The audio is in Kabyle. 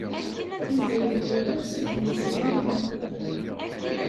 Yuba yella yeɣs ad yili din.